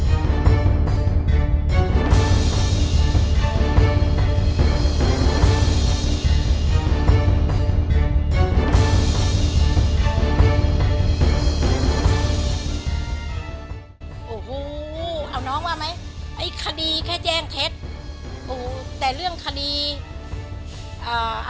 โอ้โหเอาน้องว่าไหมไอ้คดีแค่แจ้งเท็จโอ้แต่เรื่องคดีอ่า